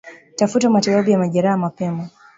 Tafuta matibabu ya majeraha mapema